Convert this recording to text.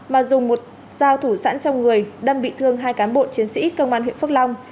mà dùng một dao thủ sẵn trong người đâm bị thương hai cán bộ chiến sĩ công an huyện phước long